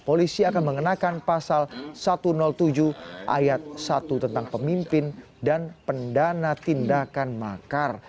polisi akan mengenakan pasal satu ratus tujuh ayat satu tentang pemimpin dan pendana tindakan makar